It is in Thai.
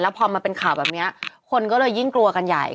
พอมาเป็นข่าวแบบนี้คนก็เลยยิ่งกลัวกันใหญ่